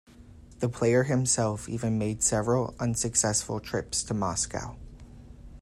The player himself even made several unsuccessful trips to Moscow.